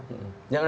yang ada lagi